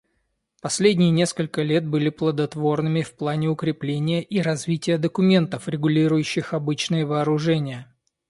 Последние несколько лет были плодотворными в плане укрепления и развития документов, регулирующих обычные вооружения.